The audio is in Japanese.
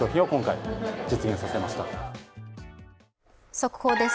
速報です。